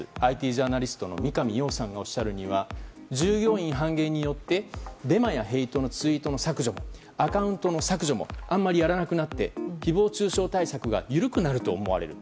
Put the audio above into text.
ＩＴジャーナリストの三上洋さんがおっしゃるには従業員半減によってデマやヘイトのツイートの削除もアカウントの削除もあまりやらなくなって誹謗中傷対策が緩くなると思われる。